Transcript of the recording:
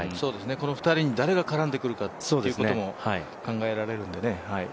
この２人に誰が絡んでくるかということも考えられるんでね。